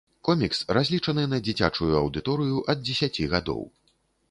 Комікс разлічаны на дзіцячую аўдыторыю ад дзесяці гадоў.